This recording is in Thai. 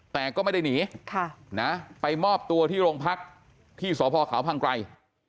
แต่ก็ไม่ได้หนีไปมอบตัวที่โรงพักที่สพขาวพังไกร